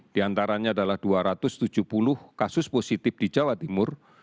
di antaranya adalah dua ratus tujuh puluh kasus positif di jawa timur